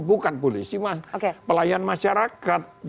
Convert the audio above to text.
bukan polisi pelayan masyarakat